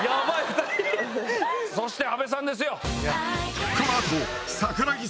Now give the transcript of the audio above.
そして阿部さんですよ。